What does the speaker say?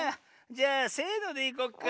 じゃあせのでいこっか。